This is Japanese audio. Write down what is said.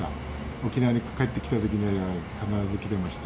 沖縄に帰ってきたときには必ず来てました。